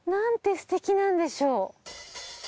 すてきなんでしょう。